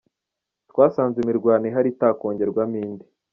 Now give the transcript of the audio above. Twasanze imirwano ihari itakongerwamo indi